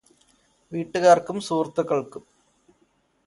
വീട്ടുകാർക്കും സുഹൃത്തുക്കള്ക്കും